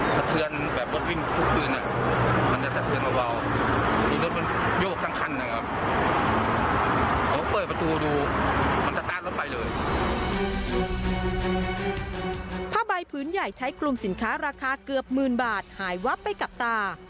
ผ้าใบพื้นใหญ่ใช้คลุมสินค้าราคาเกือบหมื่นบาทหายวับไปกับตา